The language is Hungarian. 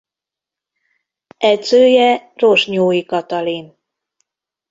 Edzője Rozsnyói Katalin.